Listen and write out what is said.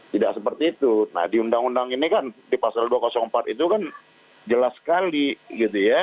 tidak seperti itu nah di undang undang ini kan di pasal dua ratus empat itu kan jelas sekali gitu ya